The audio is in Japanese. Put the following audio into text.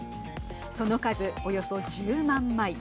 その数、およそ１０万枚。